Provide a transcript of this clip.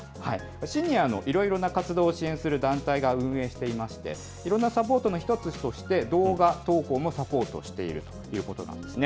シニアのいろいろな活動を支援する団体が運営していまして、いろんなサポートの一つとして、動画投稿もサポートしているということなんですね。